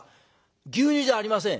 「牛乳じゃありません」。